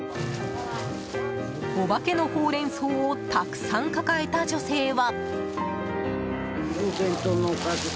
オバケのホウレンソウをたくさん抱えた女性は。